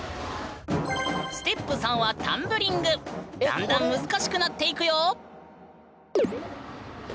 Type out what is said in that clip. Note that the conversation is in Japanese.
ステップ３はだんだん難しくなっていくよ！